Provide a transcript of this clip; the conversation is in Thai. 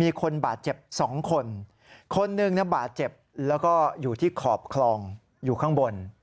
มีคนบาดเจ็บ๒คนคนหนึ่งบาดเจ็บแล้วก็อยู่ที่ขอบคลองอยู่ข้างบน